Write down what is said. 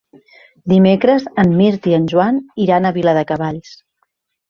Dimecres en Mirt i en Joan iran a Viladecavalls.